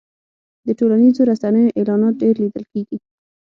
د ټولنیزو رسنیو اعلانات ډېر لیدل کېږي.